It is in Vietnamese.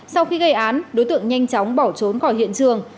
sau khi gây án đối tượng nhanh chóng bỏ trốn khỏi hiện trường